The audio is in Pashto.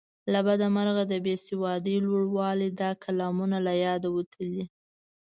له بده مرغه د بې سوادۍ لوړوالي دا کلامونه له یاده وتلي.